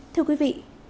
thưa quý vị